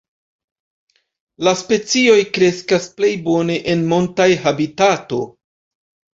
La specioj kreskas plej bone en montaj habitato.